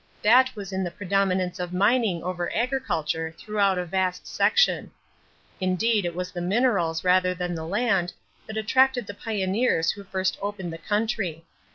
That was in the predominance of mining over agriculture throughout a vast section. Indeed it was the minerals rather than the land that attracted the pioneers who first opened the country.